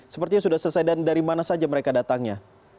sepertinya sudah selesai dan dari mana saja mereka datangnya